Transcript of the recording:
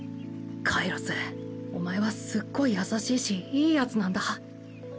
カイロスお前はすっごい優しいしいいヤツなんだ。